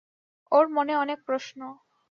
ওর মনে অনেক প্রশ্ন।